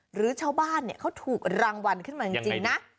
หรือชาวบ้านเขาถูกรางวัลขึ้นมาจริงนะ